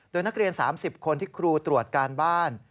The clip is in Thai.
โดยนักเรียน๓๐คนที่ครูตรวจการบ้าน